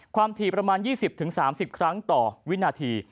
ถี่ประมาณ๒๐๓๐ครั้งต่อวินาที